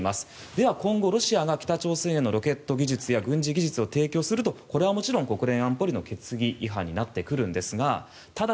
では今後、ロシアが北朝鮮へのロケット技術や軍事技術を提供するとこれはもちろん国連安保理の決議違反になってくるんですがただ